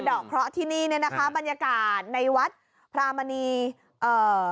ดอกเคราะห์ที่นี่เนี่ยนะคะบรรยากาศในวัดพระมณีเอ่อ